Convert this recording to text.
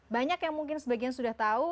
banyak yang mungkin sebagian sudah tahu